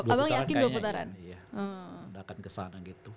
abang yakin dua putaran